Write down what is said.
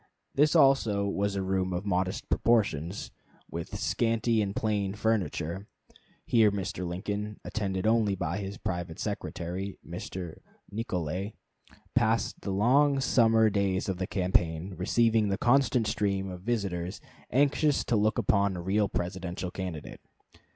This also was a room of modest proportions, with scanty and plain furniture. Here Mr. Lincoln, attended only by his private secretary, Mr. Nicolay, passed the long summer days of the campaign, receiving the constant stream of visitors anxious to look upon a real Presidential candidate.